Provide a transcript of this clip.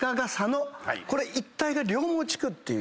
これ一帯が両毛地区って。